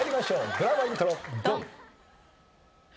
ドラマイントロドン！